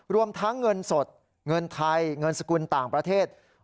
รวมทั้งเงินสดเงินไทยเงินสกุลต่างประเทศ